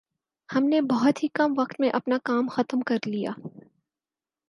ھم نے بہت ہی کم وقت میں اپنا کام ختم کرلیا